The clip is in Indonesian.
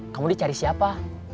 kamu dicari siapa